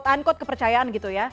unquote kepercayaan gitu ya